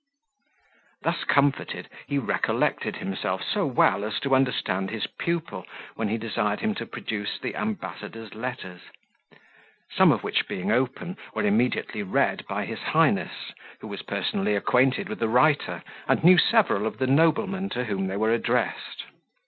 Thus comforted, he recollected himself so well as to understand his pupil, when he desired him to produce the ambassador's letters; some of which being open, were immediately read by his highness, who was personally acquainted with the writer, and knew several of the noblemen to whom they were addressed.